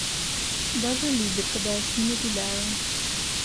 Даже любят, когда я с ними гуляю.